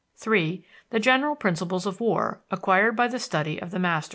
(3) The general principles of war, acquired by the study of the masters.